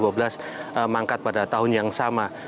mengangkat pada tahun yang sama